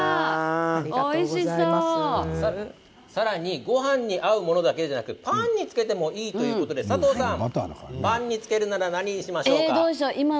さらにごはんに合うものだけではなくパンにつけてもいいということでパンにつけるなら何にしましょうか？